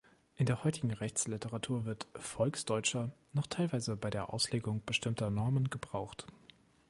In der heutigen Rechtsliteratur wird „Volksdeutscher“ noch teilweise bei der Auslegung bestimmter Normen gebraucht.